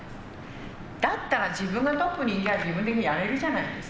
だったら自分がトップにいきゃあ自分でやれるじゃないですか。